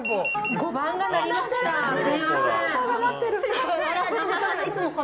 ５番が鳴りました、すみません。